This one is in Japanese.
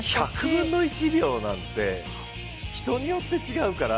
１００分の１秒なんて、人によって違うから。